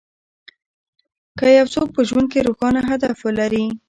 که يو څوک په ژوند کې روښانه هدف ولري.